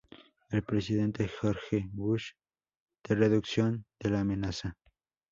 El presidente George W. Bush de Reducción de la Amenaza.